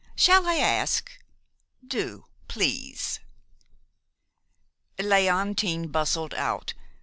Shall I ask?" "Do, please." Léontine bustled out.